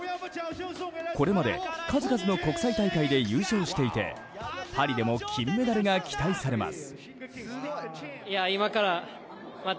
これまで数々の国際大会で優勝していてパリでも金メダルが期待されます。